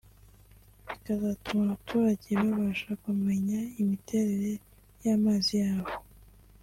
bikazatuma abaturage babasha kumenya imiterere y’amazi yabo